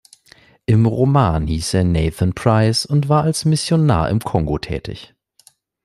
Im Roman hieß er Nathan Price und war als Missionar im Kongo tätig.